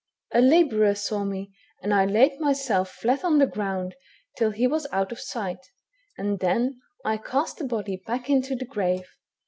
A labourer saw me, and I laid myself flat on the ground till he was out of sight, and then I cast the body back into the grave.